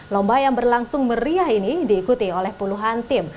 lomba yang berlangsung meriah ini diikuti oleh puluhan tim